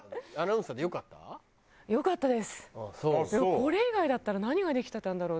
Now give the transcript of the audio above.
これ以外だったら何ができてたんだろう？